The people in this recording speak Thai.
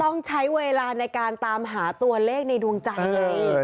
ต้องใช้เวลาในการตามหาตัวเลขในดวงใจไง